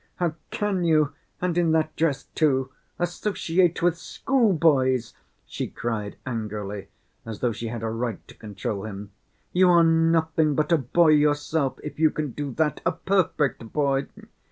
"How can you, and in that dress too, associate with schoolboys?" she cried angrily, as though she had a right to control him. "You are nothing but a boy yourself if you can do that, a perfect boy!